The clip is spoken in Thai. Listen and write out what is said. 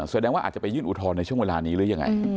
แสดงว่าอาจจะไปยื่นอุทธรณ์ในช่วงเวลานี้หรือยังไง